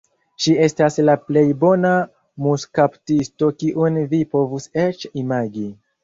Ŝi estas la plej bona muskaptisto kiun vi povus eĉ imagi.